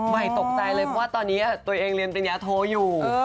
ใหม่ตกใจเลยว่าตอนนี้ตัวเองเรียนแต่ญาโทอยู่